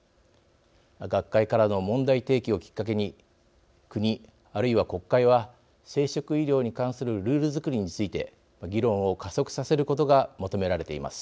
学会からの問題提起をきっかけに国あるいは国会は生殖医療に関するルールづくりについて議論を加速させることが求められています。